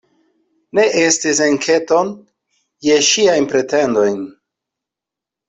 Ne estis enketon je ŝiajn pretendojn.